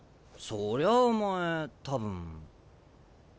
そりゃあお前多分。